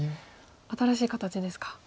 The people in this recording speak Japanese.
新しい形ですか。